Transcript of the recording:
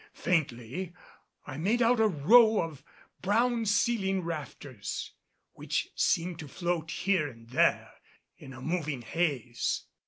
Faintly I made out a row of brown ceiling rafters, which seemed to float here and there in a moving haze.